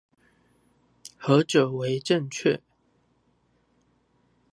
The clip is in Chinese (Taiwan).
何者為正確？